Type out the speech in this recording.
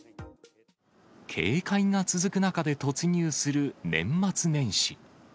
警戒が続く中で突入する年末年始。